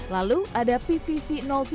lalu ada pvc tiga